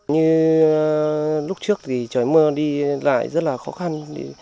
như lúc trước thì trời mưa đi lại rất là khó khăn